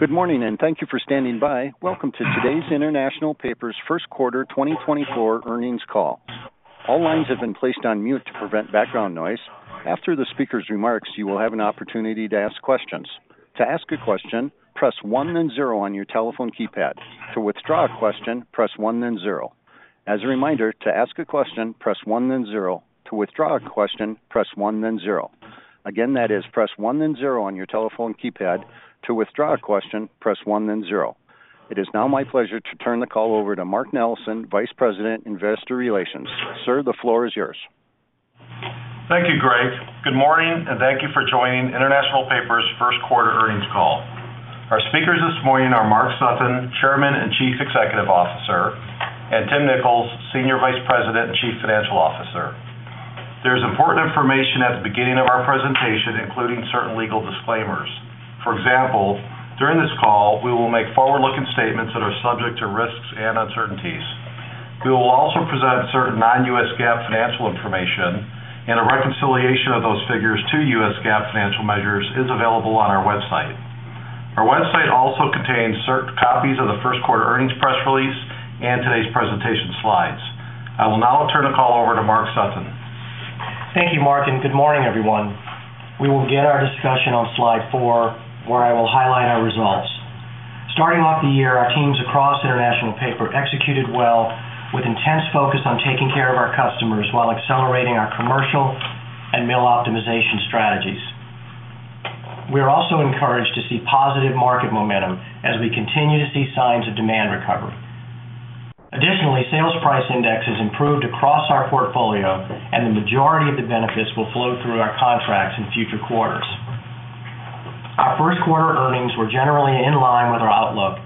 Good morning, and thank you for standing by. Welcome to today's International Paper's first quarter 2024 earnings call. All lines have been placed on mute to prevent background noise. After the speaker's remarks, you will have an opportunity to ask questions. To ask a question, press one then zero on your telephone keypad. To withdraw a question, press one then zero. As a reminder, to ask a question, press one then zero. To withdraw a question, press one then zero. Again, that is, press one then zero on your telephone keypad. To withdraw a question, press one then zero. It is now my pleasure to turn the call over to Mark Nellessen, Vice President, Investor Relations. Sir, the floor is yours. Thank you, Greg. Good morning, and thank you for joining International Paper's first quarter earnings call. Our speakers this morning are Mark Sutton, Chairman and Chief Executive Officer, and Tim Nicholls, Senior Vice President and Chief Financial Officer. There is important information at the beginning of our presentation, including certain legal disclaimers. For example, during this call, we will make forward-looking statements that are subject to risks and uncertainties. We will also present certain non-U.S. GAAP financial information, and a reconciliation of those figures to U.S. GAAP financial measures is available on our website. Our website also contains certain copies of the first quarter earnings press release and today's presentation slides. I will now turn the call over to Mark Sutton. Thank you, Mark, and good morning, everyone. We will begin our discussion on slide four, where I will highlight our results. Starting off the year, our teams across International Paper executed well, with intense focus on taking care of our customers while accelerating our commercial and mill optimization strategies. We are also encouraged to see positive market momentum as we continue to see signs of demand recovery. Additionally, Sales Price Index has improved across our portfolio, and the majority of the benefits will flow through our contracts in future quarters. Our first quarter earnings were generally in line with our outlook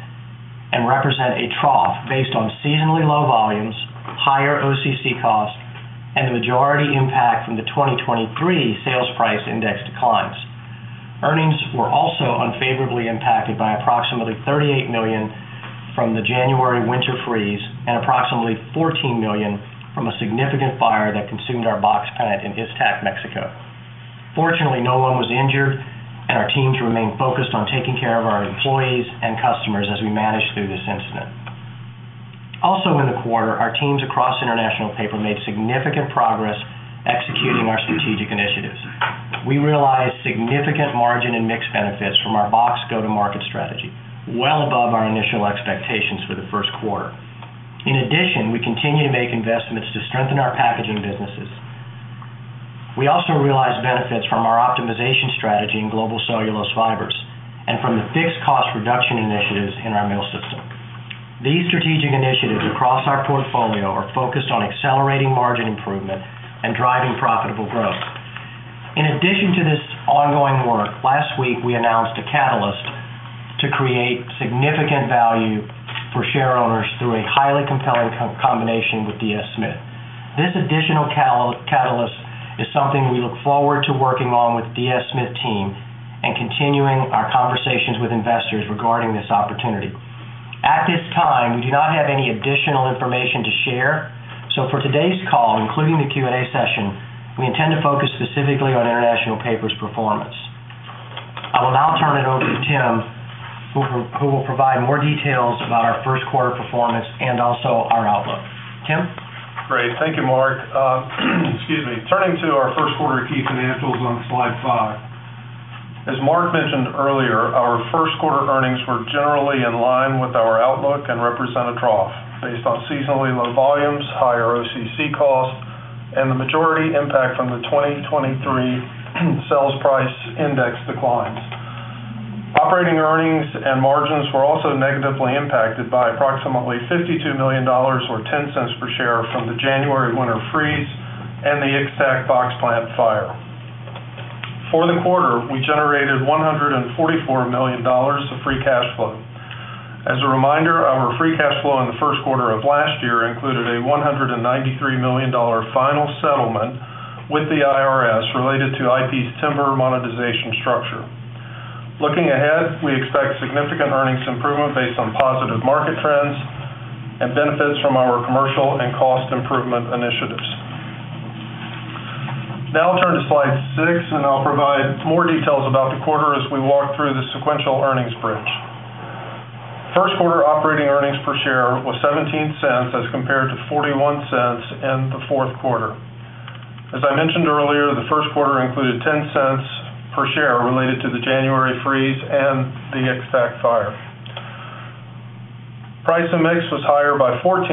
and represent a trough based on seasonally low volumes, higher OCC costs, and the majority impact from the 2023 Sales Price Index declines. Earnings were also unfavorably impacted by approximately $38 million from the January winter freeze and approximately $14 million from a significant fire that consumed our box plant in Ixtaczoquitlán, Mexico. Fortunately, no one was injured, and our teams remain focused on taking care of our employees and customers as we manage through this incident. Also in the quarter, our teams across International Paper made significant progress executing our strategic initiatives. We realized significant margin and mixed benefits from our Box Go-to-Market Strategy, well above our initial expectations for the first quarter. In addition, we continue to make investments to strengthen our packaging businesses. We also realized benefits from our optimization strategy in Global Cellulose Fibers and from the fixed cost reduction initiatives in our mill system. These strategic initiatives across our portfolio are focused on accelerating margin improvement and driving profitable growth. In addition to this ongoing work, last week we announced a catalyst to create significant value for shareholders through a highly compelling combination with DS Smith. This additional catalyst is something we look forward to working on with the DS Smith team and continuing our conversations with investors regarding this opportunity. At this time, we do not have any additional information to share, so for today's call, including the Q&A session, we intend to focus specifically on International Paper's performance. I will now turn it over to Tim, who will provide more details about our first quarter performance and also our outlook. Tim? Great. Thank you, Mark. Excuse me. Turning to our first quarter key financials on slide five. As Mark mentioned earlier, our first quarter earnings were generally in line with our outlook and represent a trough based on seasonally low volumes, higher OCC costs, and the majority impact from the 2023 sales price index declines. Operating earnings and margins were also negatively impacted by approximately $52 million or $0.10 per share from the January winter freeze and the Ixtac box plant fire. For the quarter, we generated $144 million of free cash flow. As a reminder, our free cash flow in the first quarter of last year included a $193 million final settlement with the IRS related to IP's timber monetization structure. Looking ahead, we expect significant earnings improvement based on positive market trends and benefits from our commercial and cost improvement initiatives. Now I'll turn to slide six, and I'll provide more details about the quarter as we walk through the sequential earnings bridge. First quarter operating earnings per share was $0.17 as compared to $0.41 in the fourth quarter. As I mentioned earlier, the first quarter included $0.10 per share related to the January freeze and the Iztacc fire. Price and mix was higher by $0.14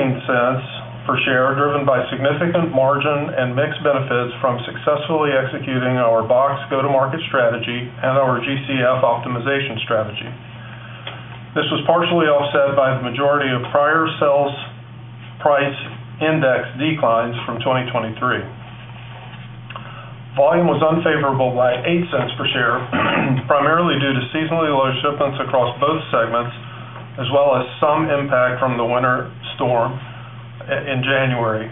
per share, driven by significant margin and mix benefits from successfully executing our Box Go-to-Market Strategy and our GCF Optimization Strategy. This was partially offset by the majority of prior Sales Price Index declines from 2023. Volume was unfavorable by $0.08 per share, primarily due to seasonally low shipments across both segments, as well as some impact from the winter storm in January.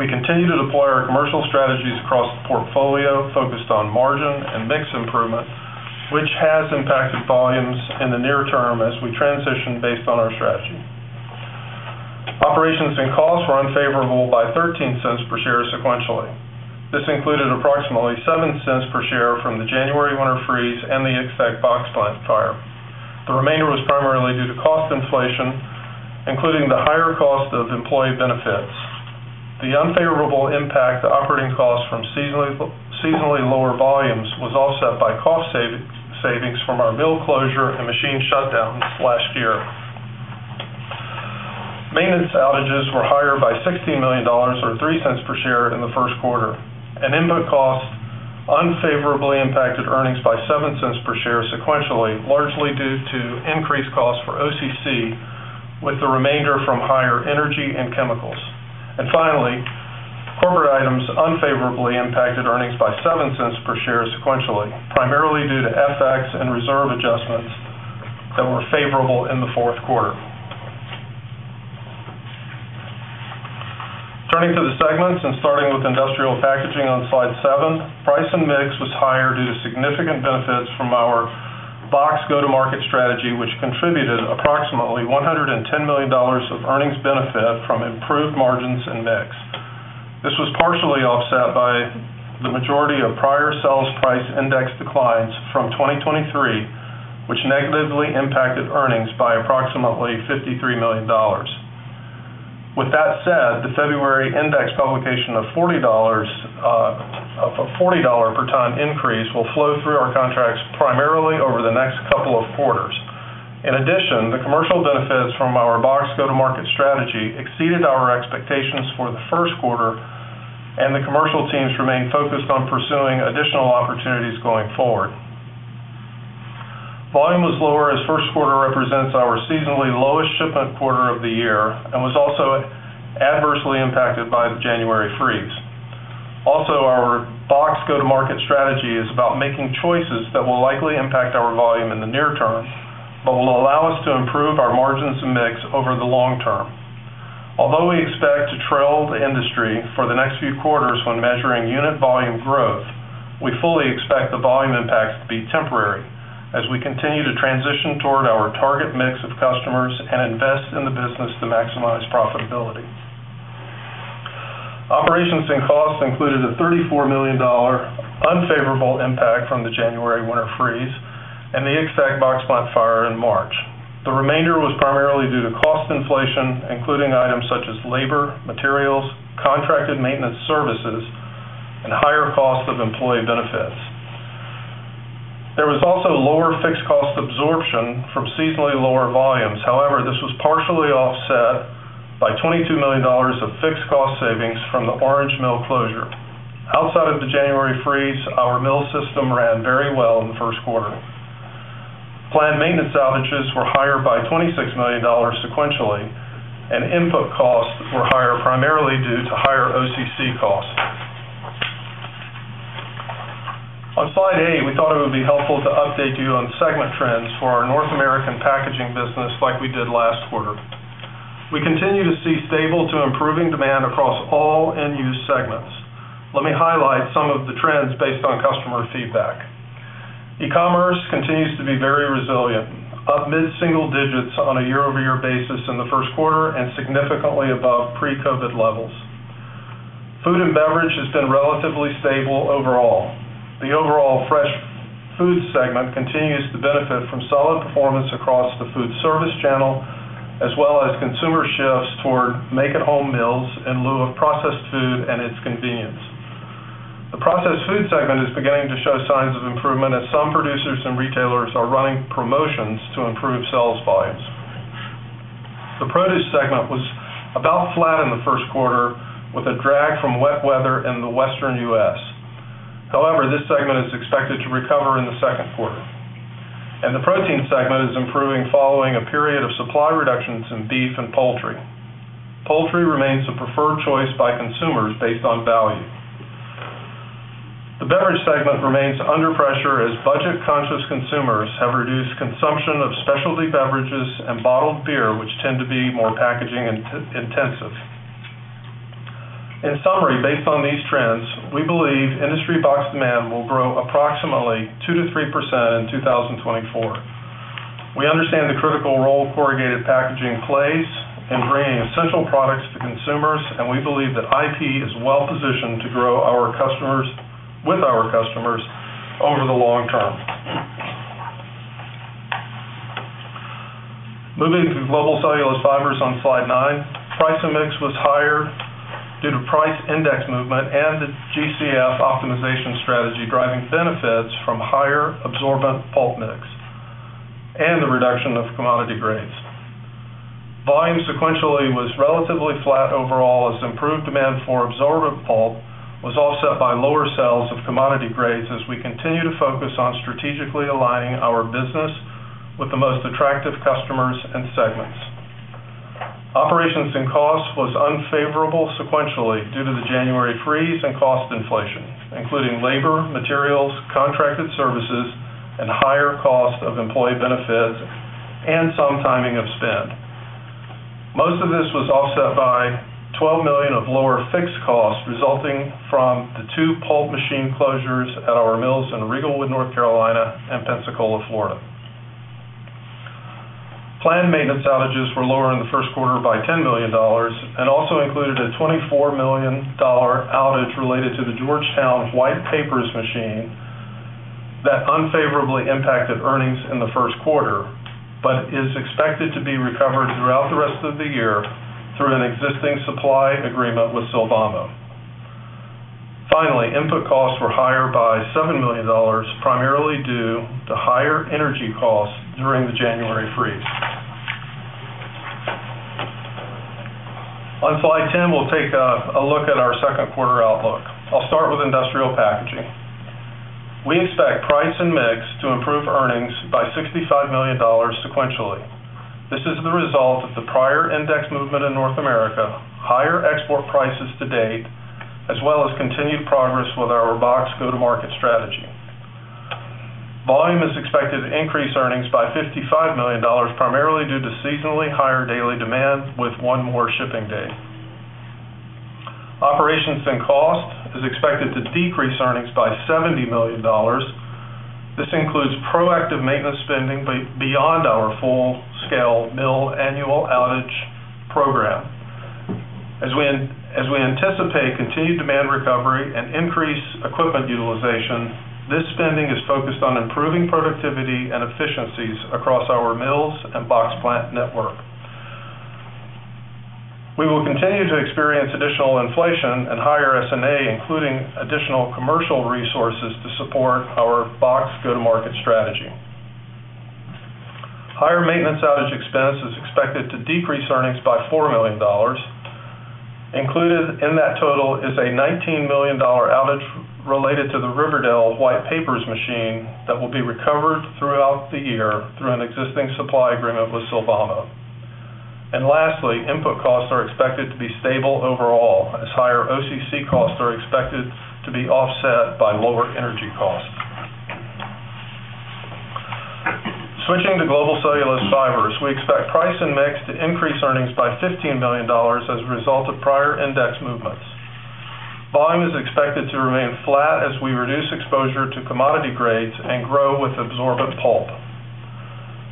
We continue to deploy our commercial strategies across the portfolio, focused on margin and mix improvement, which has impacted volumes in the near term as we transition based on our strategy. Operations and costs were unfavorable by $0.13 per share sequentially. This included approximately $0.07 per share from the January winter freeze and the Ixtaczoquitlán box plant fire. The remainder was primarily due to cost inflation, including the higher cost of employee benefits. The unfavorable impact to operating costs from seasonally lower volumes was offset by cost savings from our mill closure and machine shutdowns last year. Maintenance outages were higher by $16 million or $0.03 per share in the first quarter. An input cost unfavorably impacted earnings by $0.07 per share sequentially, largely due to increased costs for OCC, with the remainder from higher energy and chemicals. And finally, corporate items unfavorably impacted earnings by $0.07 per share sequentially, primarily due to FX and reserve adjustments that were favorable in the fourth quarter. Turning to the segments and starting with Industrial Packaging on slide seven, price and mix was higher due to significant benefits from our Box Go-to-Market Strategy, which contributed approximately $110 million of earnings benefit from improved margins and mix. This was partially offset by the majority of prior Sales Price Index declines from 2023, which negatively impacted earnings by approximately $53 million. With that said, the February index publication of a $40 per ton increase will flow through our contracts primarily over the next couple of quarters. In addition, the commercial benefits from our Box Go-to-Market Strategy exceeded our expectations for the first quarter, and the commercial teams remain focused on pursuing additional opportunities going forward. Volume was lower as first quarter represents our seasonally lowest shipment quarter of the year and was also adversely impacted by the January freeze. Also, our Box Go-to-Market Strategy is about making choices that will likely impact our volume in the near term but will allow us to improve our margins and mix over the long term. Although we expect to trail the industry for the next few quarters when measuring unit volume growth, we fully expect the volume impacts to be temporary as we continue to transition toward our target mix of customers and invest in the business to maximize profitability. Operations and costs included a $34 million unfavorable impact from the January winter freeze and the Ixtaczoquitlán box plant fire in March. The remainder was primarily due to cost inflation, including items such as labor, materials, contracted maintenance services, and higher cost of employee benefits. There was also lower fixed cost absorption from seasonally lower volumes. However, this was partially offset by $22 million of fixed cost savings from the Orange mill closure. Outside of the January freeze, our mill system ran very well in the first quarter. Planned maintenance outages were higher by $26 million sequentially, and input costs were higher primarily due to higher OCC costs. On slide eight, we thought it would be helpful to update you on segment trends for our North American packaging business like we did last quarter. We continue to see stable to improving demand across all end-use segments. Let me highlight some of the trends based on customer feedback. E-commerce continues to be very resilient, up mid-single digits on a year-over-year basis in the first quarter and significantly above pre-COVID levels. Food and beverage has been relatively stable overall. The overall fresh food segment continues to benefit from solid performance across the food service channel, as well as consumer shifts toward make-at-home meals in lieu of processed food and its convenience. The processed food segment is beginning to show signs of improvement as some producers and retailers are running promotions to improve sales volumes. The produce segment was about flat in the first quarter with a drag from wet weather in the Western U.S. However, this segment is expected to recover in the second quarter. The protein segment is improving following a period of supply reductions in beef and poultry. Poultry remains a preferred choice by consumers based on value. The beverage segment remains under pressure as budget-conscious consumers have reduced consumption of specialty beverages and bottled beer, which tend to be more packaging-intensive. In summary, based on these trends, we believe industry box demand will grow approximately 2%-3% in 2024. We understand the critical role corrugated packaging plays in bringing essential products to consumers, and we believe that IP is well-positioned to grow with our customers over the long term. Moving to Global Cellulose Fibers on slide nine, price and mix was higher due to price index movement and the GCF Optimization Strategy driving benefits from higher absorbent pulp mix and the reduction of commodity grades. Volume sequentially was relatively flat overall as improved demand for absorbent pulp was offset by lower sales of commodity grades as we continue to focus on strategically aligning our business with the most attractive customers and segments. Operations and costs were unfavorable sequentially due to the January freeze and cost inflation, including labor, materials, contracted services, and higher cost of employee benefits and some timing of spend. Most of this was offset by $12 million of lower fixed costs resulting from the two pulp machine closures at our mills in Riegelwood, North Carolina, and Pensacola, Florida. Planned maintenance outages were lower in the first quarter by $10 million and also included a $24 million outage related to the Georgetown white paper machine that unfavorably impacted earnings in the first quarter but is expected to be recovered throughout the rest of the year through an existing supply agreement with Sylvamo. Finally, input costs were higher by $7 million, primarily due to higher energy costs during the January freeze. On slide 10, we'll take a look at our second quarter outlook. I'll start with industrial packaging. We expect price and mix to improve earnings by $65 million sequentially. This is the result of the prior index movement in North America, higher export prices to date, as well as continued progress with our Box Go-to-Market Strategy. Volume is expected to increase earnings by $55 million, primarily due to seasonally higher daily demand with one more shipping day. Operations and costs are expected to decrease earnings by $70 million. This includes proactive maintenance spending beyond our full-scale mill annual outage program. As we anticipate continued demand recovery and increased equipment utilization, this spending is focused on improving productivity and efficiencies across our mills and box plant network. We will continue to experience additional inflation and higher S&A, including additional commercial resources to support our Box Go-to-Market Strategy. Higher maintenance outage expense is expected to decrease earnings by $4 million. Included in that total is a $19 million outage related to the Riverdale white paper machine that will be recovered throughout the year through an existing supply agreement with Sylvamo. Lastly, input costs are expected to be stable overall as higher OCC costs are expected to be offset by lower energy costs. Switching to Global Cellulose Fibers, we expect price and mix to increase earnings by $15 million as a result of prior index movements. Volume is expected to remain flat as we reduce exposure to commodity grades and grow with absorbent pulp.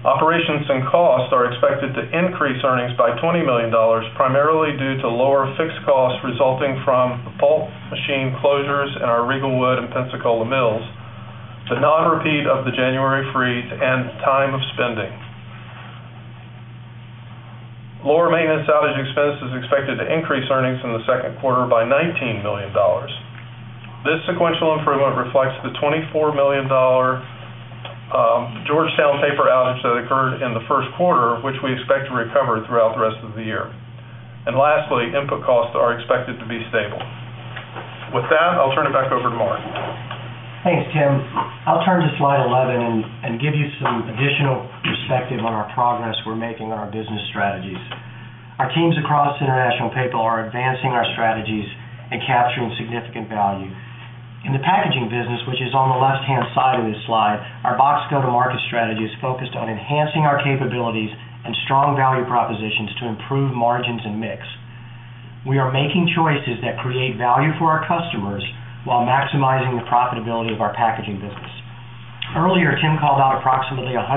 Operations and costs are expected to increase earnings by $20 million, primarily due to lower fixed costs resulting from the pulp machine closures in our Riegelwood and Pensacola mills, the non-repeat of the January freeze, and timing of spending. Lower maintenance outage expense is expected to increase earnings in the second quarter by $19 million. This sequential improvement reflects the $24 million Georgetown paper outage that occurred in the first quarter, which we expect to recover throughout the rest of the year. And lastly, input costs are expected to be stable. With that, I'll turn it back over to Mark. Thanks, Jim. I'll turn to slide 11 and give you some additional perspective on our progress we're making on our business strategies. Our teams across International Paper are advancing our strategies and capturing significant value. In the packaging business, which is on the left-hand side of this slide, our box go-to-market strategy is focused on enhancing our capabilities and strong value propositions to improve margins and mix. We are making choices that create value for our customers while maximizing the profitability of our packaging business. Earlier, Tim called out approximately $110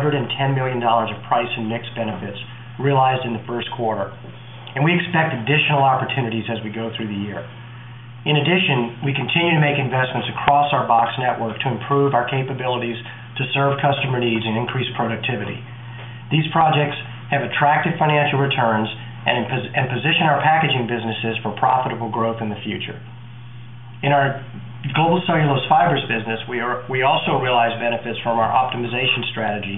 million of price and mix benefits realized in the first quarter, and we expect additional opportunities as we go through the year. In addition, we continue to make investments across our box network to improve our capabilities to serve customer needs and increase productivity. These projects have attractive financial returns and position our packaging businesses for profitable growth in the future. In our Global Cellulose Fibers business, we also realize benefits from our optimization strategy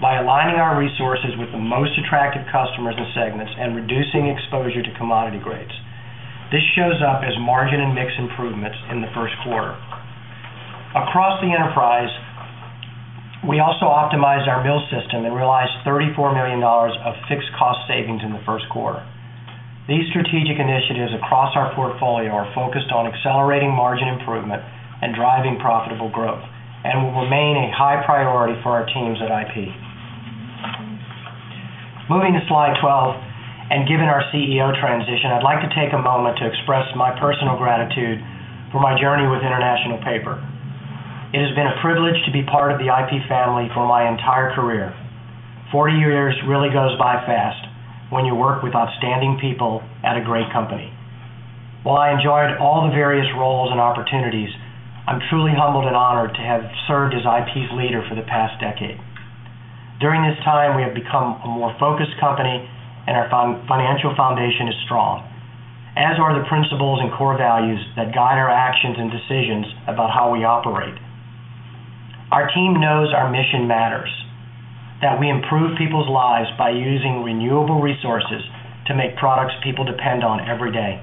by aligning our resources with the most attractive customers and segments and reducing exposure to commodity grades. This shows up as margin and mix improvements in the first quarter. Across the enterprise, we also optimized our mill system and realized $34 million of fixed cost savings in the first quarter. These strategic initiatives across our portfolio are focused on accelerating margin improvement and driving profitable growth and will remain a high priority for our teams at IP. Moving to slide 12, and given our CEO transition, I'd like to take a moment to express my personal gratitude for my journey with International Paper. It has been a privilege to be part of the IP family for my entire career. Forty years really goes by fast when you work with outstanding people at a great company. While I enjoyed all the various roles and opportunities, I'm truly humbled and honored to have served as IP's leader for the past decade. During this time, we have become a more focused company, and our financial foundation is strong, as are the principles and core values that guide our actions and decisions about how we operate. Our team knows our mission matters, that we improve people's lives by using renewable resources to make products people depend on every day.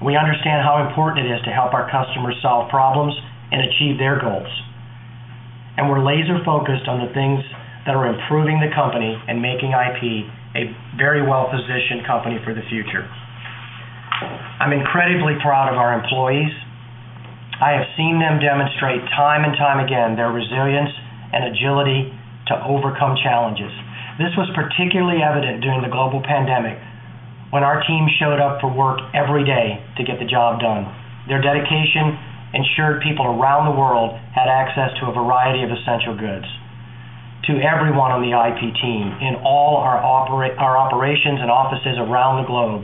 We understand how important it is to help our customers solve problems and achieve their goals, and we're laser-focused on the things that are improving the company and making IP a very well-positioned company for the future. I'm incredibly proud of our employees. I have seen them demonstrate time and time again their resilience and agility to overcome challenges. This was particularly evident during the global pandemic when our team showed up for work every day to get the job done. Their dedication ensured people around the world had access to a variety of essential goods. To everyone on the IP team in all our operations and offices around the globe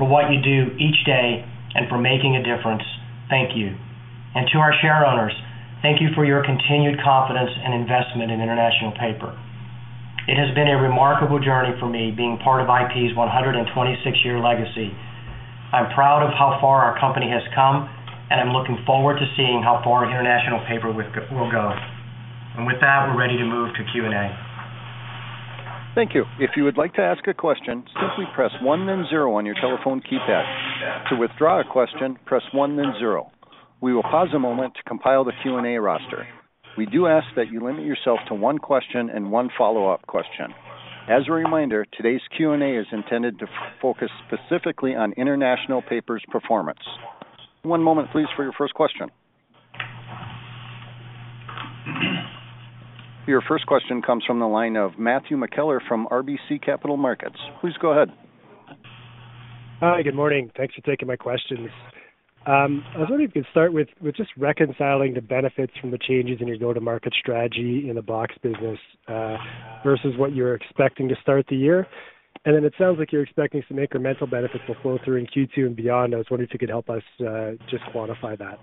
for what you do each day and for making a difference, thank you. To our shareholders, thank you for your continued confidence and investment in International Paper. It has been a remarkable journey for me being part of IP's 126-year legacy. I'm proud of how far our company has come, and I'm looking forward to seeing how far International Paper will go. With that, we're ready to move to Q&A. Thank you. If you would like to ask a question, simply press one then zero on your telephone keypad. To withdraw a question, press one then zero. We will pause a moment to compile the Q&A roster. We do ask that you limit yourself to one question and one follow-up question. As a reminder, today's Q&A is intended to focus specifically on International Paper's performance. One moment, please, for your first question. Your first question comes from the line of Matthew McKellar from RBC Capital Markets. Please go ahead. Hi. Good morning. Thanks for taking my questions. I was wondering if you could start with just reconciling the benefits from the changes in your go-to-market strategy in the box business versus what you were expecting to start the year? And then it sounds like you're expecting some incremental benefits that will flow through in Q2 and beyond. I was wondering if you could help us just quantify that?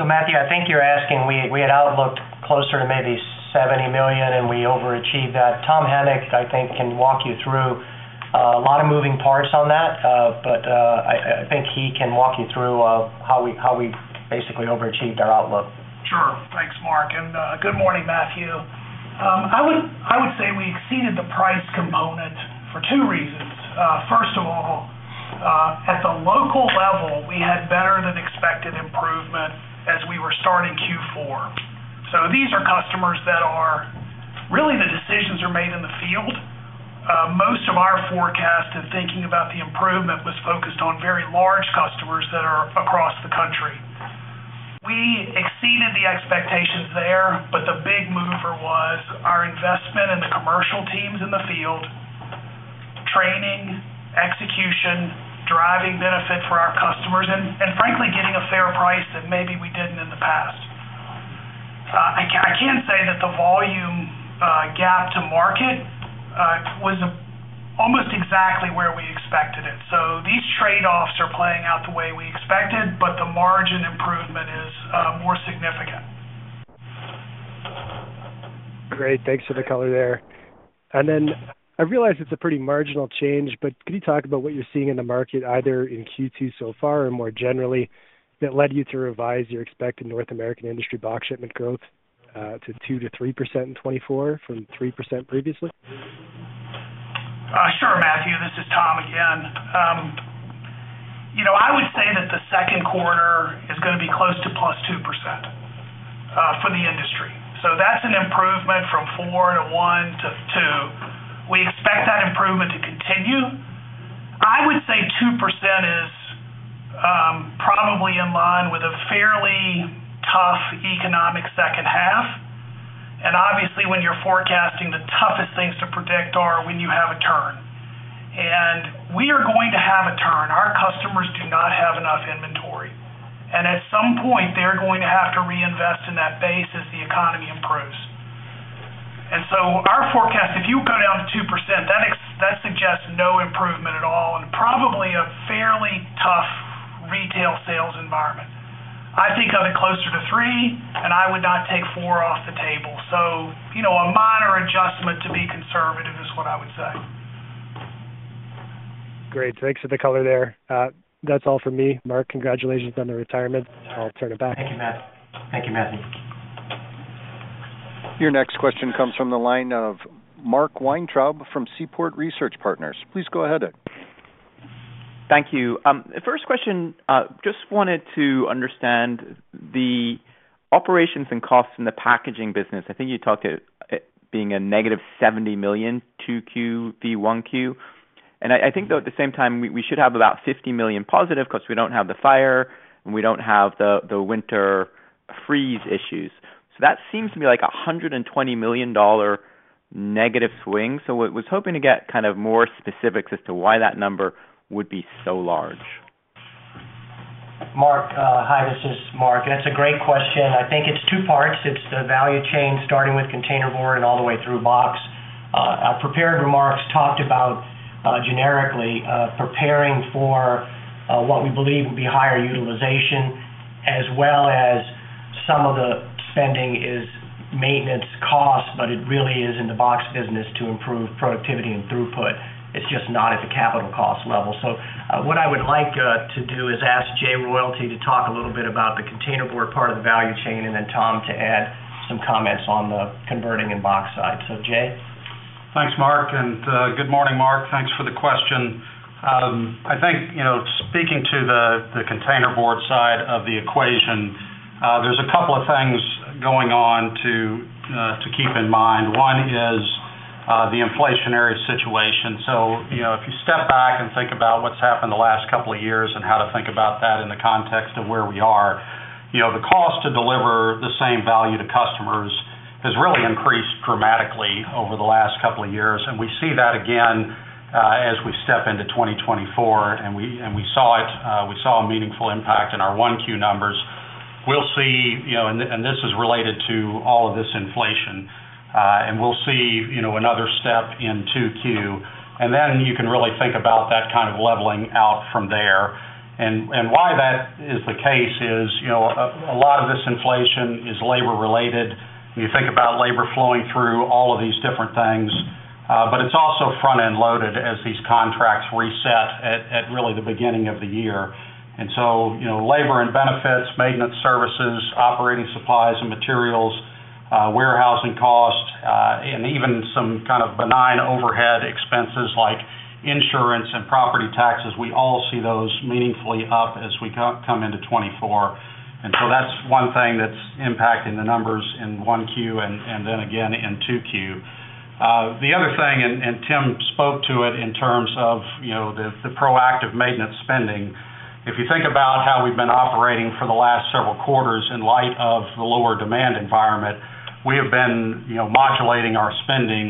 So, Matthew, I think you're asking we had outlooked closer to maybe $70 million, and we overachieved that. Tom Hamic, I think, can walk you through a lot of moving parts on that, but I think he can walk you through how we basically overachieved our outlook. Sure. Thanks, Mark. And good morning, Matthew. I would say we exceeded the price component for two reasons. First of all, at the local level, we had better-than-expected improvement as we were starting Q4. So these are customers that are really the decisions are made in the field. Most of our forecast and thinking about the improvement was focused on very large customers that are across the country. We exceeded the expectations there, but the big mover was our investment in the commercial teams in the field, training, execution, driving benefit for our customers, and frankly, getting a fair price that maybe we didn't in the past. I can say that the volume gap to market was almost exactly where we expected it. So these trade-offs are playing out the way we expected, but the margin improvement is more significant. Great. Thanks for the color there. And then I realize it's a pretty marginal change, but could you talk about what you're seeing in the market, either in Q2 so far or more generally, that led you to revise your expected North American industry box shipment growth to 2%-3% in 2024 from 3% previously? Sure, Matthew. This is Tom again. I would say that the second quarter is going to be close to +2% for the industry. So that's an improvement from 4% to 1% to 2%. We expect that improvement to continue. I would say 2% is probably in line with a fairly tough economic second half. And obviously, when you're forecasting, the toughest things to predict are when you have a turn. And we are going to have a turn. Our customers do not have enough inventory. And at some point, they're going to have to reinvest in that base as the economy improves. And so our forecast, if you go down to 2%, that suggests no improvement at all and probably a fairly tough retail sales environment. I think of it closer to 3%, and I would not take 4% off the table. A minor adjustment to be conservative is what I would say. Great. Thanks for the color there. That's all from me, Mark. Congratulations on the retirement. I'll turn it back. Thank you, Matthew. Thank you, Matthew. Your next question comes from the line of Mark Weintraub from Seaport Research Partners. Please go ahead. Thank you. First question, just wanted to understand the operations and costs in the packaging business. I think you talked at being a negative $70 million Q/Q v. 1Q. And I think, though, at the same time, we should have about $50 million positive because we don't have the fire and we don't have the winter freeze issues. So that seems to me like a $120 million negative swing. So I was hoping to get kind of more specifics as to why that number would be so large. Mark, hi. This is Mark. That's a great question. I think it's two parts. It's the value chain starting with containerboard and all the way through box. Our prepared remarks talked about generically preparing for what we believe will be higher utilization, as well as some of the spending is maintenance cost, but it really is in the box business to improve productivity and throughput. It's just not at the capital cost level. So what I would like to do is ask Jay Royalty to talk a little bit about the containerboard part of the value chain, and then Tom to add some comments on the converting and box side. So, Jay? Thanks, Mark. Good morning, Mark. Thanks for the question. I think speaking to the containerboard side of the equation, there's a couple of things going on to keep in mind. One is the inflationary situation. So if you step back and think about what's happened the last couple of years and how to think about that in the context of where we are, the cost to deliver the same value to customers has really increased dramatically over the last couple of years. And we see that again as we step into 2024, and we saw it. We saw a meaningful impact in our 1Q numbers. We'll see and this is related to all of this inflation. And we'll see another step in 2Q. And then you can really think about that kind of leveling out from there. And why that is the case is a lot of this inflation is labor-related. And you think about labor flowing through all of these different things, but it's also front-end loaded as these contracts reset at really the beginning of the year. And so labor and benefits, maintenance services, operating supplies and materials, warehousing costs, and even some kind of benign overhead expenses like insurance and property taxes, we all see those meaningfully up as we come into 2024. And so that's one thing that's impacting the numbers in 1Q and then again in 2Q. The other thing and Tim spoke to it in terms of the proactive maintenance spending. If you think about how we've been operating for the last several quarters in light of the lower demand environment, we have been modulating our spending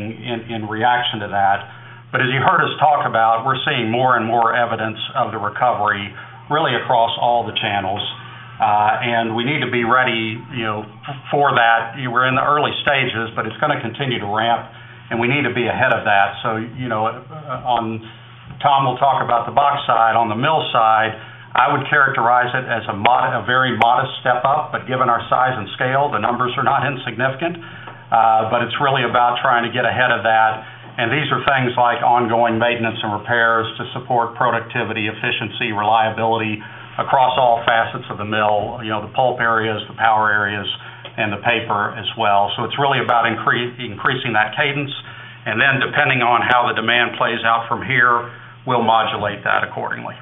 in reaction to that. But as you heard us talk about, we're seeing more and more evidence of the recovery really across all the channels. And we need to be ready for that. We're in the early stages, but it's going to continue to ramp, and we need to be ahead of that. So Tom will talk about the box side. On the mill side, I would characterize it as a very modest step up, but given our size and scale, the numbers are not insignificant. But it's really about trying to get ahead of that. And these are things like ongoing maintenance and repairs to support productivity, efficiency, reliability across all facets of the mill, the pulp areas, the power areas, and the paper as well. So it's really about increasing that cadence. And then depending on how the demand plays out from here, we'll modulate that accordingly.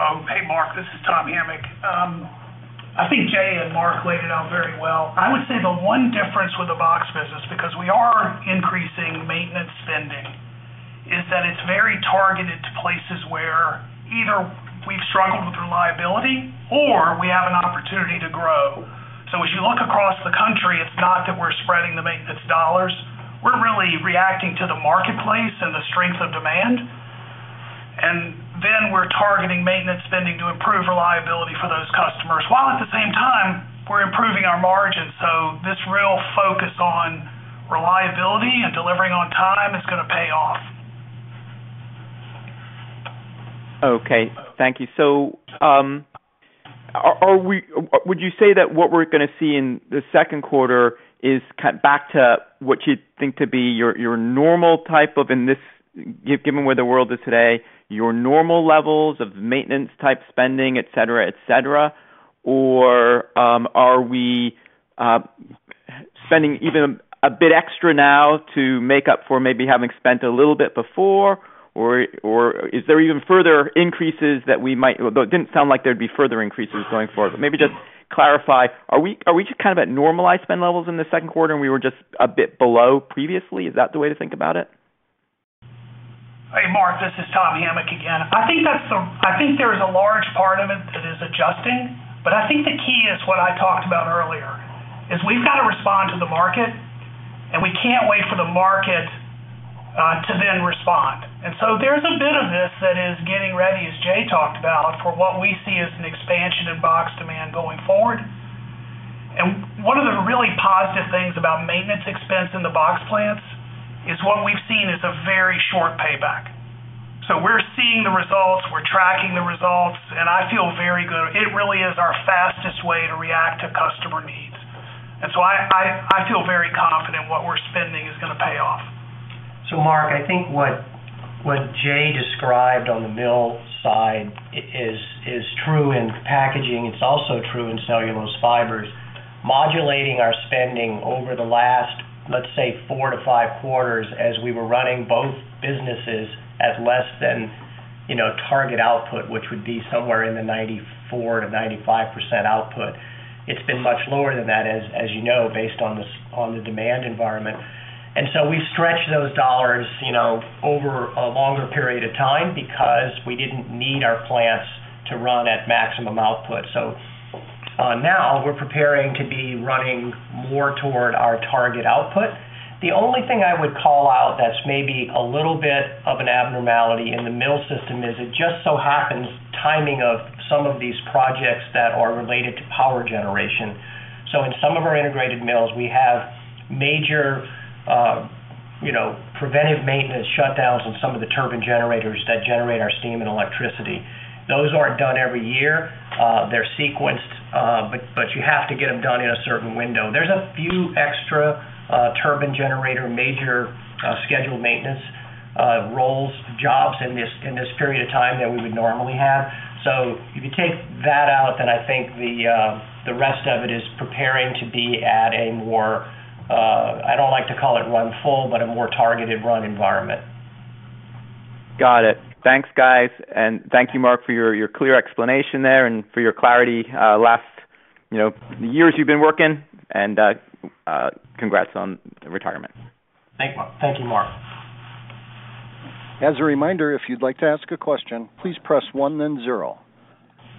Hey, Mark. This is Tom Hamic. I think Jay and Mark laid it out very well. I would say the one difference with the box business, because we are increasing maintenance spending, is that it's very targeted to places where either we've struggled with reliability or we have an opportunity to grow. So as you look across the country, it's not that we're spreading the maintenance dollars. We're really reacting to the marketplace and the strength of demand. And then we're targeting maintenance spending to improve reliability for those customers while at the same time, we're improving our margins. So this real focus on reliability and delivering on time is going to pay off. Okay. Thank you. So would you say that what we're going to see in the second quarter is back to what you think to be your normal type of, given where the world is today, your normal levels of maintenance-type spending, etc., etc.? Or are we spending even a bit extra now to make up for maybe having spent a little bit before? Or is there even further increases that we might, though it didn't sound like there'd be further increases going forward? But maybe just clarify, are we just kind of at normalized spend levels in the second quarter and we were just a bit below previously? Is that the way to think about it? Hey, Mark. This is Tom Hamic again. I think there's a large part of it that is adjusting. But I think the key is what I talked about earlier, is we've got to respond to the market, and we can't wait for the market to then respond. And so there's a bit of this that is getting ready, as Jay talked about, for what we see as an expansion in box demand going forward. And one of the really positive things about maintenance expense in the box plants is what we've seen is a very short payback. So we're seeing the results. We're tracking the results. And I feel very good. It really is our fastest way to react to customer needs. And so I feel very confident what we're spending is going to pay off. So, Mark, I think what Jay described on the mill side is true in packaging. It's also true in cellulose fibers. Modulating our spending over the last, let's say, 4-5 quarters as we were running both businesses at less than target output, which would be somewhere in the 94%-95% output, it's been much lower than that, as you know, based on the demand environment. And so we stretched those dollars over a longer period of time because we didn't need our plants to run at maximum output. So now we're preparing to be running more toward our target output. The only thing I would call out that's maybe a little bit of an abnormality in the mill system is it just so happens timing of some of these projects that are related to power generation. So in some of our integrated mills, we have major preventive maintenance shutdowns in some of the turbine generators that generate our steam and electricity. Those aren't done every year. They're sequenced, but you have to get them done in a certain window. There's a few extra turbine generator major scheduled maintenance roles, jobs in this period of time that we would normally have. So if you take that out, then I think the rest of it is preparing to be at a more I don't like to call it run full, but a more targeted run environment. Got it. Thanks, guys. Thank you, Mark, for your clear explanation there and for your clarity over the years you've been working. Congrats on retirement. Thank you, Mark. As a reminder, if you'd like to ask a question, please press one, then zero.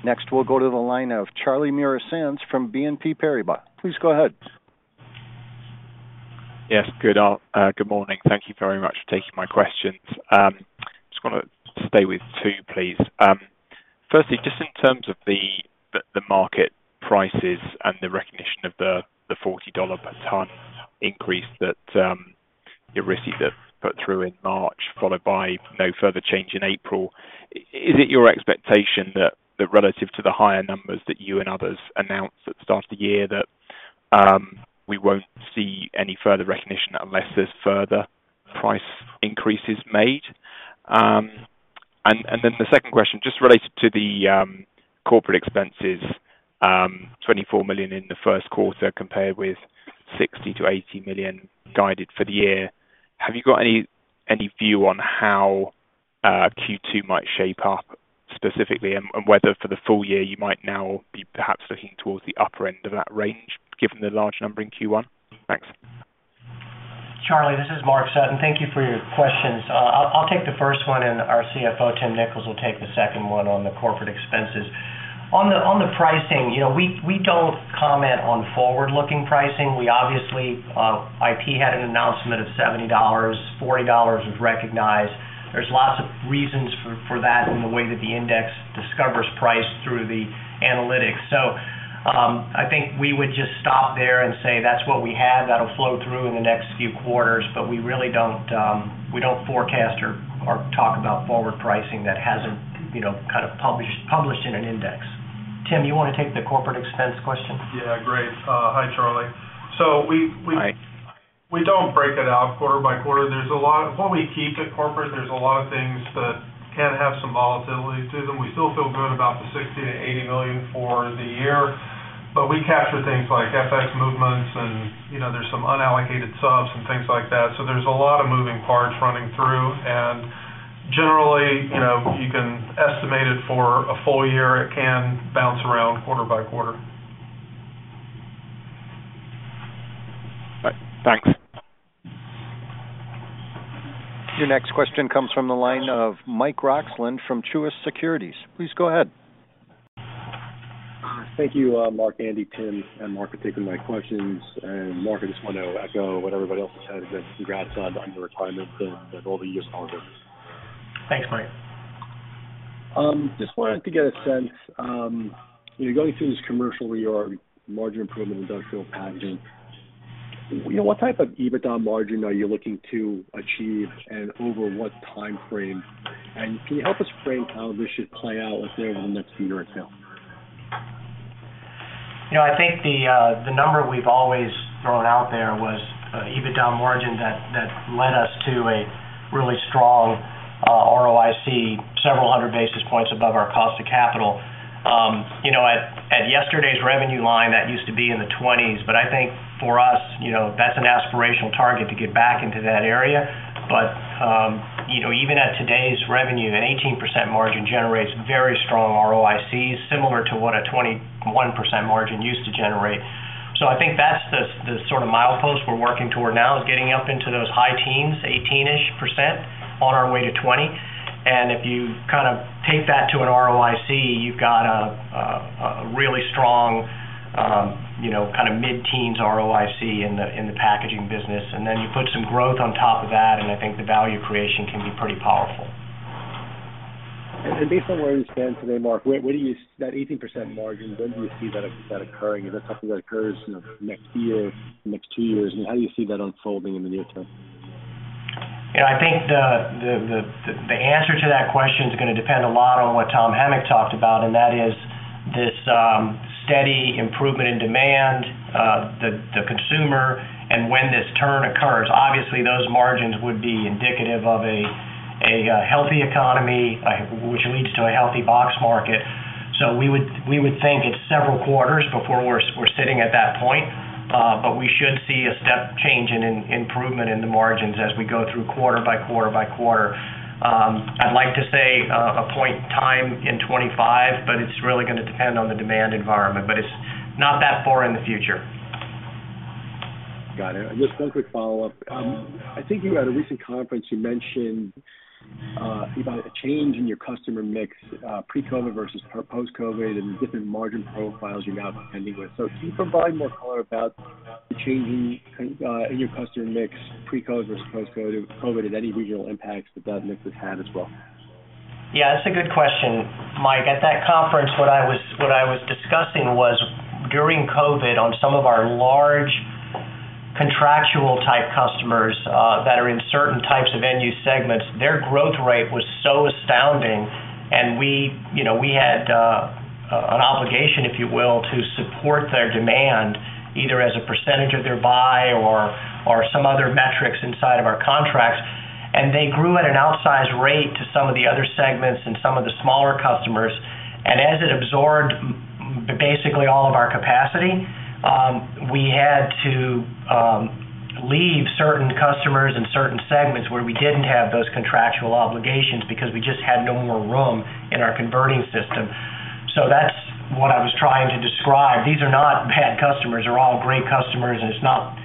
Next, we'll go to the line of Charlie Muir-Sands from BNP Paribas. Please go ahead. Yes. Good morning. Thank you very much for taking my questions. I just want to stay with two, please. Firstly, just in terms of the market prices and the recognition of the $40 per ton increase that you put through in March, followed by no further change in April, is it your expectation that relative to the higher numbers that you and others announced at the start of the year that we won't see any further recognition unless there's further price increases made? And then the second question, just related to the corporate expenses, $24 million in the first quarter compared with $60 million-$80 million guided for the year, have you got any view on how Q2 might shape up specifically and whether for the full year, you might now be perhaps looking towards the upper end of that range given the large number in Q1? Thanks. Charlie, this is Mark Sutton. Thank you for your questions. I'll take the first one, and our CFO, Tim Nicholls, will take the second one on the corporate expenses. On the pricing, we don't comment on forward-looking pricing. IP had an announcement of $70. $40 was recognized. There's lots of reasons for that in the way that the index discovers price through the analytics. So I think we would just stop there and say that's what we have. That'll flow through in the next few quarters. But we really don't forecast or talk about forward pricing that hasn't kind of published in an index. Tim, you want to take the corporate expense question? Yeah. Great. Hi, Charlie. So we don't break it out quarter by quarter. What we keep at corporate, there's a lot of things that can have some volatility to them. We still feel good about the $60 million-$80 million for the year. But we capture things like FX movements, and there's some unallocated subs and things like that. So there's a lot of moving parts running through. And generally, you can estimate it for a full year. It can bounce around quarter by quarter. All right. Thanks. Your next question comes from the line of Mike Roxland from Truist Securities. Please go ahead. Thank you, Mark, Andy, Tim, and Mark for taking my questions. Mark, I just want to echo what everybody else has said. A good congrats on your retirement and all the years on the road. Thanks, Mike. Just wanted to get a sense. Going through this commercial reorg, margin improvement, industrial packaging, what type of EBITDA margin are you looking to achieve and over what time frame? And can you help us frame how this should play out over the next year at mill? I think the number we've always thrown out there was EBITDA margin that led us to a really strong ROIC, several hundred basis points above our cost of capital. At yesterday's revenue line, that used to be in the 20%s. But I think for us, that's an aspirational target to get back into that area. But even at today's revenue, an 18% margin generates very strong ROICs similar to what a 21% margin used to generate. So I think that's the sort of milepost we're working toward now is getting up into those high teens, 18-ish%, on our way to 20%. And if you kind of take that to an ROIC, you've got a really strong kind of mid-teens ROIC in the packaging business. And then you put some growth on top of that, and I think the value creation can be pretty powerful. Based on where you stand today, Mark, that 18% margin, when do you see that occurring? Is that something that occurs next year, next two years? And how do you see that unfolding in the near term? I think the answer to that question is going to depend a lot on what Tom Hamic talked about, and that is this steady improvement in demand, the consumer, and when this turn occurs. Obviously, those margins would be indicative of a healthy economy, which leads to a healthy box market. So we would think it's several quarters before we're sitting at that point. But we should see a step change in improvement in the margins as we go through quarter by quarter by quarter. I'd like to say a point in time in 2025, but it's really going to depend on the demand environment. But it's not that far in the future. Got it. Just one quick follow-up. I think at a recent conference, you mentioned about a change in your customer mix pre-COVID versus post-COVID and the different margin profiles you're now contending with. So can you provide more color about the changing in your customer mix pre-COVID versus post-COVID and any regional impacts that that mix has had as well? Yeah. That's a good question, Mike. At that conference, what I was discussing was during COVID, on some of our large contractual-type customers that are in certain types of venue segments, their growth rate was so astounding. We had an obligation, if you will, to support their demand either as a percentage of their buy or some other metrics inside of our contracts. They grew at an outsized rate to some of the other segments and some of the smaller customers. As it absorbed basically all of our capacity, we had to leave certain customers and certain segments where we didn't have those contractual obligations because we just had no more room in our converting system. That's what I was trying to describe. These are not bad customers. They're all great customers. It's not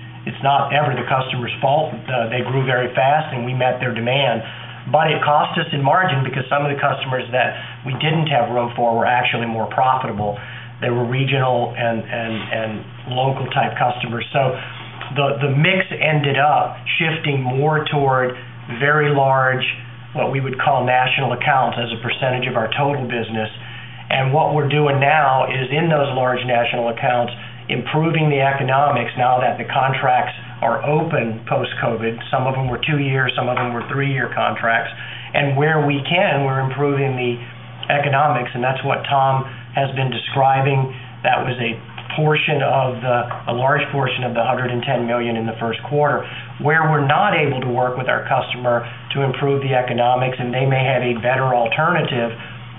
ever the customer's fault. They grew very fast, and we met their demand. But it cost us in margin because some of the customers that we didn't have room for were actually more profitable. They were regional and local-type customers. So the mix ended up shifting more toward very large, what we would call national accounts as a percentage of our total business. And what we're doing now is, in those large national accounts, improving the economics now that the contracts are open post-COVID. Some of them were two-year. Some of them were three-year contracts. And where we can, we're improving the economics. And that's what Tom has been describing. That was a large portion of the $110 million in the first quarter. Where we're not able to work with our customer to improve the economics, and they may have a better alternative,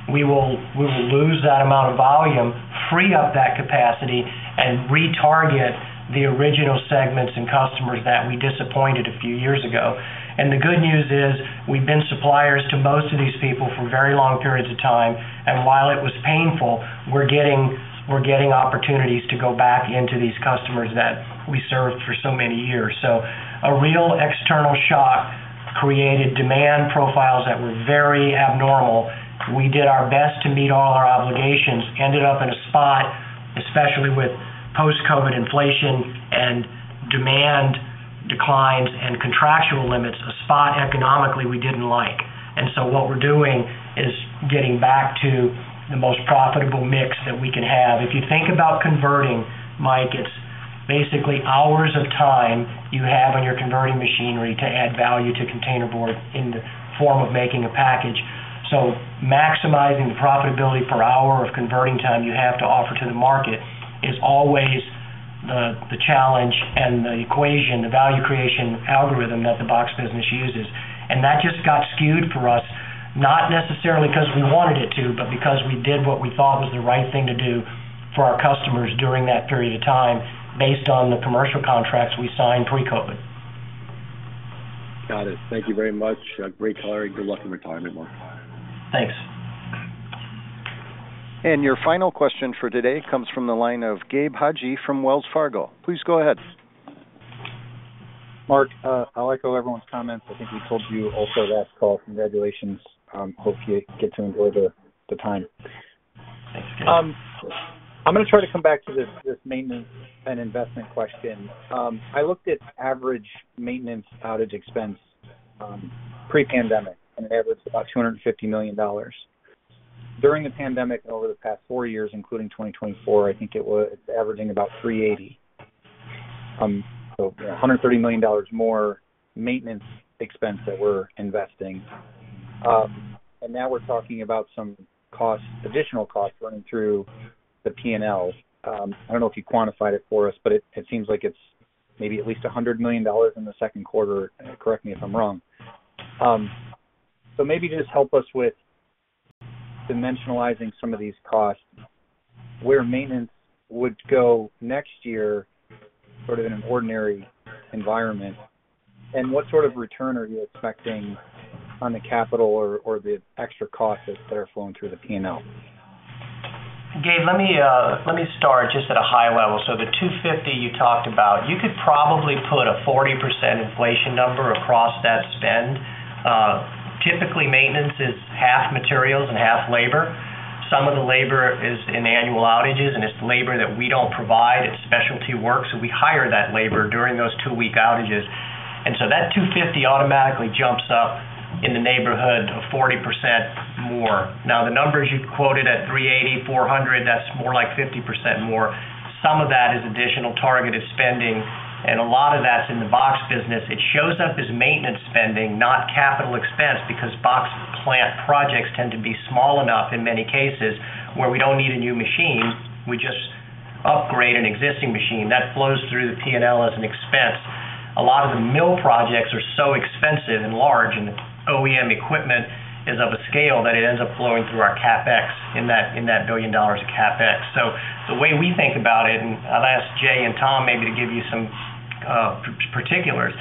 we will lose that amount of volume, free up that capacity, and retarget the original segments and customers that we disappointed a few years ago. The good news is we've been suppliers to most of these people for very long periods of time. While it was painful, we're getting opportunities to go back into these customers that we served for so many years. A real external shock created demand profiles that were very abnormal. We did our best to meet all our obligations, ended up in a spot, especially with post-COVID inflation and demand declines and contractual limits, a spot economically we didn't like. What we're doing is getting back to the most profitable mix that we can have. If you think about converting, Mike, it's basically hours of time you have on your converting machinery to add value to containerboard in the form of making a package. So maximizing the profitability per hour of converting time you have to offer to the market is always the challenge and the equation, the value creation algorithm that the box business uses. That just got skewed for us, not necessarily because we wanted it to, but because we did what we thought was the right thing to do for our customers during that period of time based on the commercial contracts we signed pre-COVID. Got it. Thank you very much. Great clarity. Good luck in retirement, Mark. Thanks. Your final question for today comes from the line of Gabe Hajde from Wells Fargo. Please go ahead. Mark, I'll echo everyone's comments. I think we told you also last call, congratulations. Hope you get to enjoy the time. Thanks, Gabe. I'm going to try to come back to this maintenance and investment question. I looked at average maintenance outage expense pre-pandemic, and it averaged about $250 million. During the pandemic and over the past 4 years, including 2024, I think it's averaging about $380 million. So $130 million more maintenance expense that we're investing. And now we're talking about some additional costs running through the P&L. I don't know if you quantified it for us, but it seems like it's maybe at least $100 million in the second quarter. Correct me if I'm wrong. So maybe just help us with dimensionalizing some of these costs, where maintenance would go next year sort of in an ordinary environment, and what sort of return are you expecting on the capital or the extra costs that are flowing through the P&L? Gabe, let me start just at a high level. So the $250 you talked about, you could probably put a 40% inflation number across that spend. Typically, maintenance is half materials and half labor. Some of the labor is in annual outages, and it's labor that we don't provide. It's specialty work. So we hire that labor during those two-week outages. And so that $250 automatically jumps up in the neighborhood of 40% more. Now, the numbers you quoted at $380-$400, that's more like 50% more. Some of that is additional targeted spending, and a lot of that's in the box business. It shows up as maintenance spending, not capital expense because box plant projects tend to be small enough in many cases where we don't need a new machine. We just upgrade an existing machine. That flows through the P&L as an expense. A lot of the mill projects are so expensive and large, and OEM equipment is of a scale that it ends up flowing through our CapEx in that $1 billion of CapEx. So the way we think about it, and I'll ask Jay and Tom maybe to give you some particulars,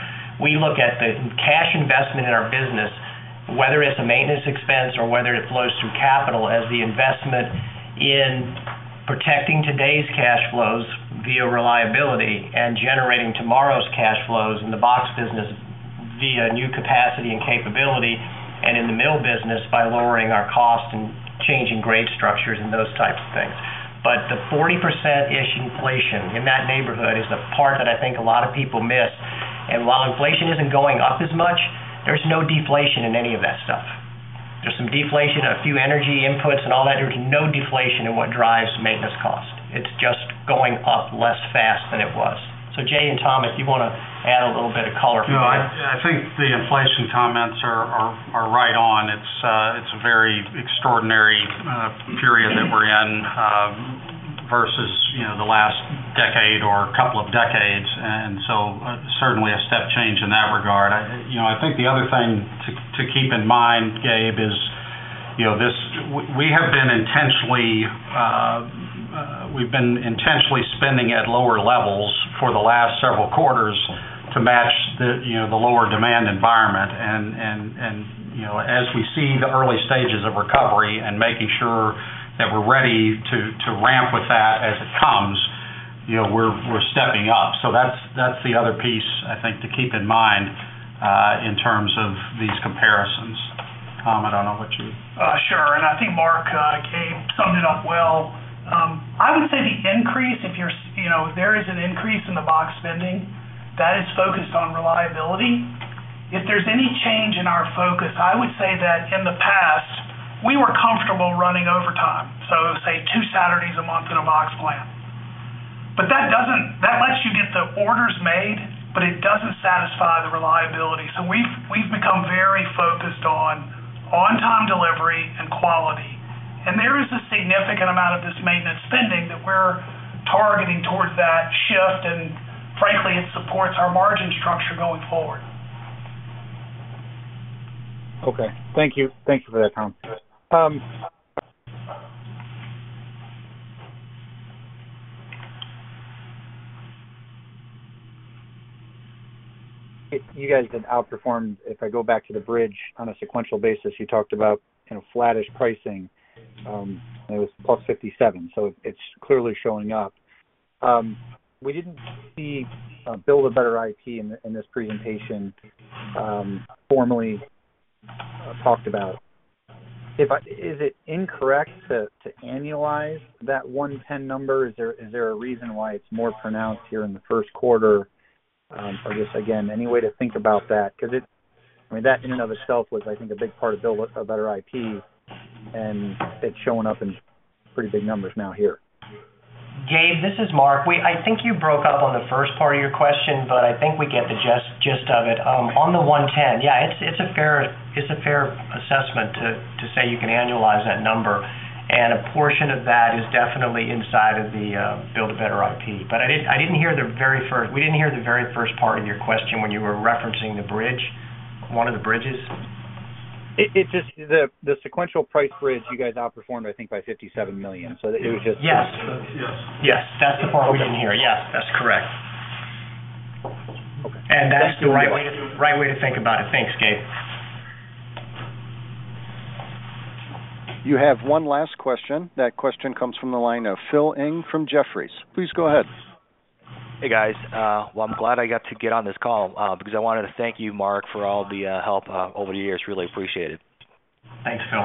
we look at the cash investment in our business, whether it's a maintenance expense or whether it flows through capital, as the investment in protecting today's cash flows via reliability and generating tomorrow's cash flows in the box business via new capacity and capability and in the mill business by lowering our cost and changing grade structures and those types of things. But the 40%-ish inflation in that neighborhood is the part that I think a lot of people miss. And while inflation isn't going up as much, there's no deflation in any of that stuff. There's some deflation, a few energy inputs, and all that. There's no deflation in what drives maintenance cost. It's just going up less fast than it was. So Jay and Tom, if you want to add a little bit of color for that. No, I think the inflation comments are right on. It's a very extraordinary period that we're in versus the last decade or a couple of decades. And so certainly a step change in that regard. I think the other thing to keep in mind, Gabe, is we have been intentionally spending at lower levels for the last several quarters to match the lower demand environment. And as we see the early stages of recovery and making sure that we're ready to ramp with that as it comes, we're stepping up. So that's the other piece, I think, to keep in mind in terms of these comparisons. Tom, I don't know what you. Sure. And I think Mark summed it up well. I would say the increase, if there is an increase in the box spending, that is focused on reliability. If there's any change in our focus, I would say that in the past, we were comfortable running overtime, so, say, two Saturdays a month in a box plant. But that lets you get the orders made, but it doesn't satisfy the reliability. So we've become very focused on on-time delivery and quality. And there is a significant amount of this maintenance spending that we're targeting toward that shift. And frankly, it supports our margin structure going forward. Okay. Thank you. Thank you for that, Tom. You guys did outperform if I go back to the bridge on a sequential basis. You talked about flattish pricing, and it was +57. So it's clearly showing up. We didn't see Build a Better IP in this presentation formally talked about. Is it incorrect to annualize that 110 number? Is there a reason why it's more pronounced here in the first quarter? Or just, again, any way to think about that? Because I mean, that in and of itself was, I think, a big part of Build a Better IP. And it's showing up in pretty big numbers now here. Gabe, this is Mark. I think you broke up on the first part of your question, but I think we get the gist of it. On the 110, yeah, it's a fair assessment to say you can annualize that number. And a portion of that is definitely inside of the Build a Better IP. But I didn't hear the very first we didn't hear the very first part of your question when you were referencing the bridge, one of the bridges? The sequential price bridge, you guys outperformed, I think, by $57 million. So it was just. Yes. Yes. Yes. That's the part we didn't hear. Yes, that's correct. And that's the right way to think about it. Thanks, Gabe. You have one last question. That question comes from the line of Phil Ng from Jefferies. Please go ahead. Hey, guys. Well, I'm glad I got to get on this call because I wanted to thank you, Mark, for all the help over the years. Really appreciate it. Thanks, Phil.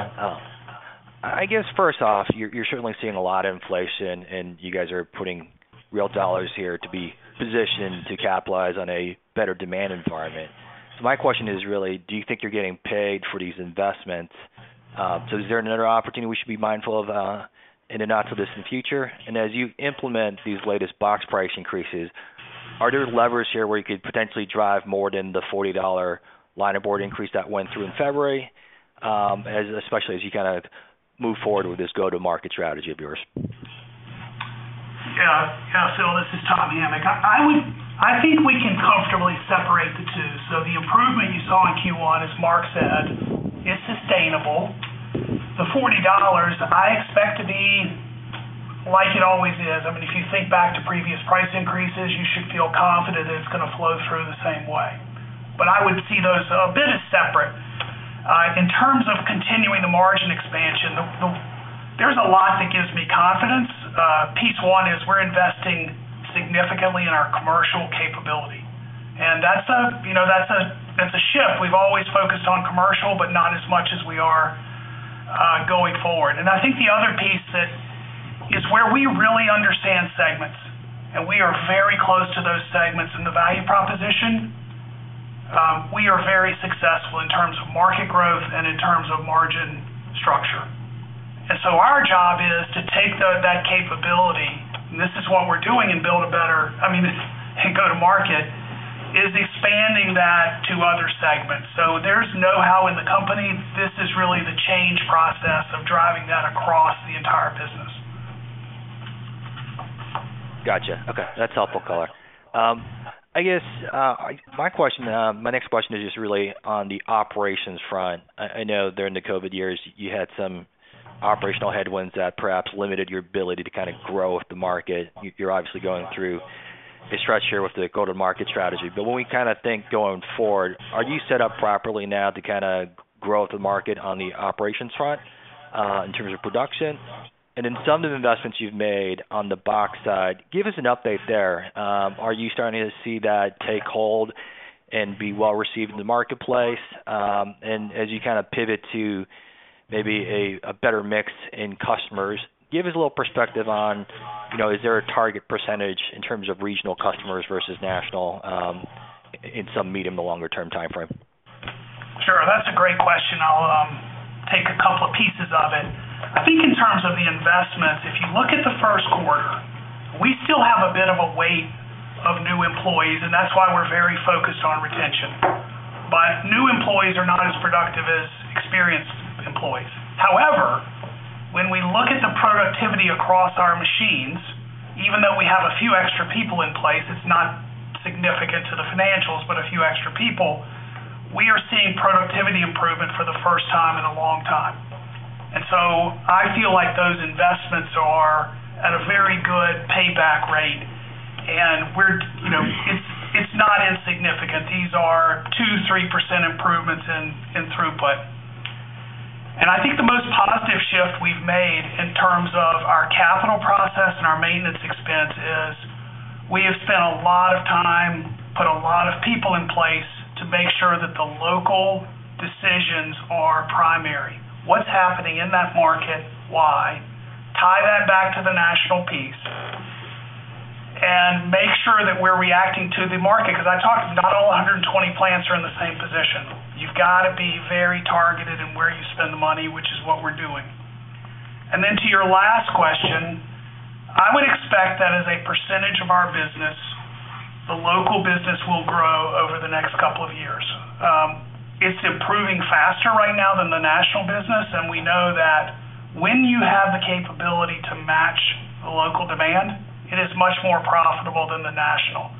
I guess first off, you're certainly seeing a lot of inflation, and you guys are putting real dollars here to be positioned to capitalize on a better demand environment. So my question is really, do you think you're getting paid for these investments? So is there another opportunity we should be mindful of in and out to this in the future? And as you implement these latest box price increases, are there levers here where you could potentially drive more than the $40 linerboard increase that went through in February, especially as you kind of move forward with this go-to-market strategy of yours? Yeah. Yeah, Phil, this is Tom Hamic. I think we can comfortably separate the two. So the improvement you saw in Q1, as Mark said, is sustainable. The $40, I expect to be like it always is. I mean, if you think back to previous price increases, you should feel confident that it's going to flow through the same way. But I would see those a bit as separate. In terms of continuing the margin expansion, there's a lot that gives me confidence. Piece one is we're investing significantly in our commercial capability. And that's a shift. We've always focused on commercial, but not as much as we are going forward. And I think the other piece is where we really understand segments. And we are very close to those segments in the value proposition. We are very successful in terms of market growth and in terms of margin structure. And so our job is to take that capability, and this is what we're doing in Build a Better, I mean, in go-to-market, is expanding that to other segments. So there's no know-how in the company. This is really the change process of driving that across the entire business. Gotcha. Okay. That's helpful color. I guess my next question is just really on the operations front. I know during the COVID years, you had some operational headwinds that perhaps limited your ability to kind of grow with the market. You're obviously going through a stretch here with the go-to-market strategy. But when we kind of think going forward, are you set up properly now to kind of grow with the market on the operations front in terms of production? And then some of the investments you've made on the box side, give us an update there. Are you starting to see that take hold and be well-received in the marketplace? And as you kind of pivot to maybe a better mix in customers, give us a little perspective on is there a target percentage in terms of regional customers versus national in some medium to longer-term timeframe? Sure. That's a great question. I'll take a couple of pieces of it. I think in terms of the investments, if you look at the first quarter, we still have a bit of a weight of new employees. And that's why we're very focused on retention. But new employees are not as productive as experienced employees. However, when we look at the productivity across our machines, even though we have a few extra people in place, it's not significant to the financials, but a few extra people, we are seeing productivity improvement for the first time in a long time. And so I feel like those investments are at a very good payback rate. And it's not insignificant. These are 2%-3% improvements in throughput. I think the most positive shift we've made in terms of our capital process and our maintenance expense is we have spent a lot of time, put a lot of people in place to make sure that the local decisions are primary. What's happening in that market? Why? Tie that back to the national piece and make sure that we're reacting to the market. Because I talked to not all 120 plants are in the same position. You've got to be very targeted in where you spend the money, which is what we're doing. And then to your last question, I would expect that as a percentage of our business, the local business will grow over the next couple of years. It's improving faster right now than the national business. We know that when you have the capability to match the local demand, it is much more profitable than the national.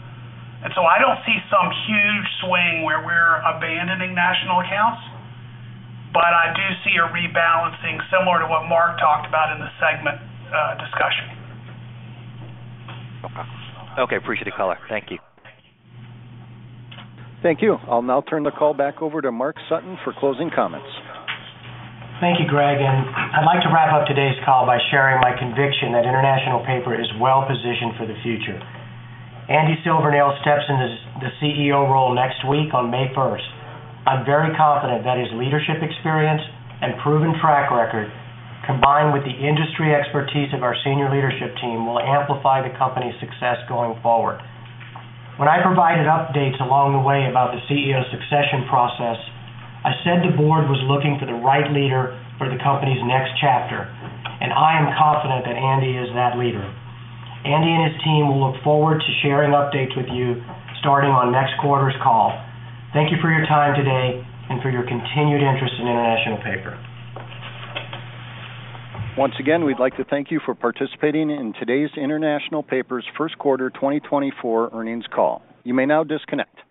So I don't see some huge swing where we're abandoning national accounts. But I do see a rebalancing similar to what Mark talked about in the segment discussion. Okay. Appreciate the color. Thank you. Thank you. Thank you. I'll turn the call back over to Mark Sutton for closing comments. Thank you, Greg. I'd like to wrap up today's call by sharing my conviction that International Paper is well-positioned for the future. Andy Silvernail steps into the CEO role next week on May 1st. I'm very confident that his leadership experience and proven track record, combined with the industry expertise of our senior leadership team, will amplify the company's success going forward. When I provided updates along the way about the CEO succession process, I said the board was looking for the right leader for the company's next chapter. I am confident that Andy is that leader. Andy and his team will look forward to sharing updates with you starting on next quarter's call. Thank you for your time today and for your continued interest in International Paper. Once again, we'd like to thank you for participating in today's International Paper's first quarter 2024 earnings call. You may now disconnect.